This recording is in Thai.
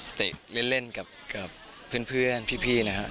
เตะเล่นกับเพื่อนพี่นะครับ